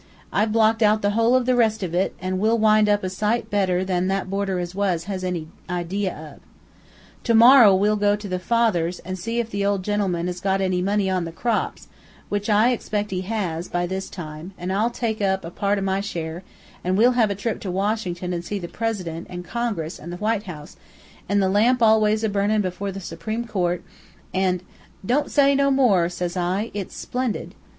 I've blocked out the whole of the rest of it, an' we'll wind up a sight better than that boarder as was has any idea of. To morrow we'll go to father's an' if the old gentleman has got any money on the crops, which I expec' he has, by this time, I'll take up a part o' my share, an' we'll have a trip to Washington, an' see the President, an' Congress, an' the White House, an' the lamp always a burnin' before the Supreme Court, an' ' "'Don't say no more, says I, 'it's splendid!'